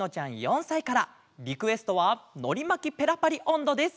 リクエストは「のりまきペラパリおんど」です。